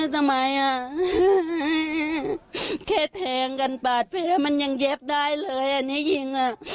ทำไมอ่ะแค่แทงกันปาดแผลมันยังเย็บได้เลยอันนี้ยิงอ่ะ